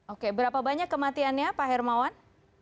oke berapa banyak kematiannya pak hermawan